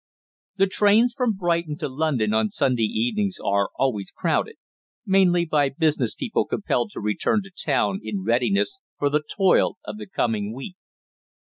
The trains from Brighton to London on Sunday evenings are always crowded, mainly by business people compelled to return to town in readiness for the toil of the coming week.